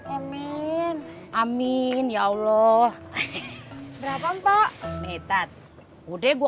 amin amin ya allah berapa mbak metat udah gua